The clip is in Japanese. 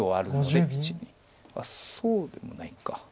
１２そうでもないか。